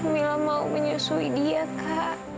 mila mau menyusui dia kak